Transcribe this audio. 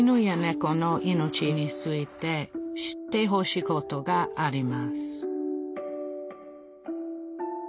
この命について知ってほしいことがあります